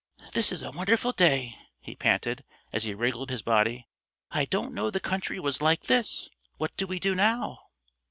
"This is a wonderful day," he panted, as he wriggled his body. "I didn't know the country was like this. What do we do now?"